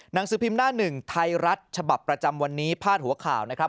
หนังสือพิมพ์หน้าหนึ่งไทยรัฐฉบับประจำวันนี้พาดหัวข่าวนะครับ